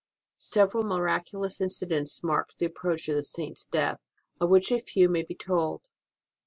Several miraculous incidents marked the ap proach of the Saint s death, of which a few may be told.